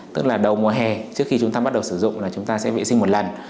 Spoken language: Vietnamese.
tức là đầu mùa hè trước khi chúng ta bắt đầu sử dụng là chúng ta sẽ vệ sinh một lần